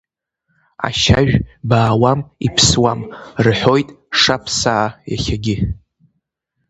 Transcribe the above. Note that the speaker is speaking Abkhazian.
Ашьажә баауам иԥсуам, — рҳәоит шаԥсаа иахьагьы.